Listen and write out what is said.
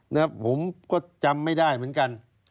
นะครับผมก็จำไม่ได้เหมือนกัน